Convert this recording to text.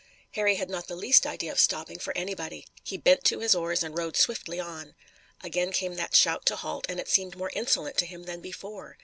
Harry had not the least idea of stopping for anybody. He bent to his oars and rowed swiftly on. Again came that shout to halt, and it seemed more insolent to him than before.